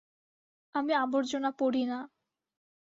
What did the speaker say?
আমি আবর্জনা পড়ি না।